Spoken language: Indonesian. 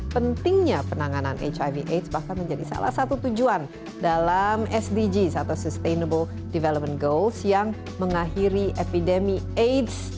pentingnya penanganan hiv aids bahkan menjadi salah satu tujuan dalam sdgs atau sustainable development goals yang mengakhiri epidemi aids